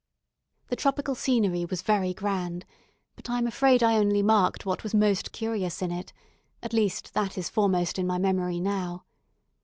The tropical scenery was very grand; but I am afraid I only marked what was most curious in it at least, that is foremost in my memory now.